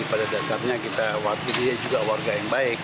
pada dasarnya kita waktu dia juga warga yang baik